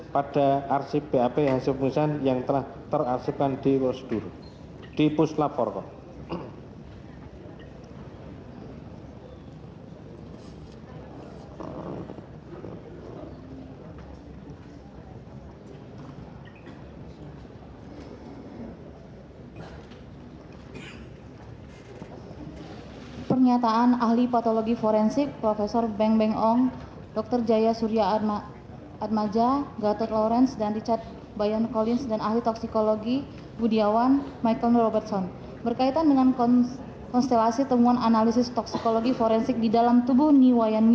pada pemeriksaan yang berada di dalam pemeriksaan ilmu hukum